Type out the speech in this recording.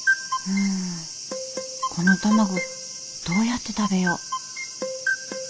うんこの卵どうやって食べよう？